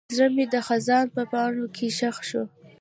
زړه مې د خزان په پاڼو کې ښخ شو.